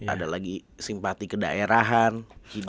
ada lagi simpati kedaerahan